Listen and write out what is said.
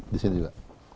di sini juga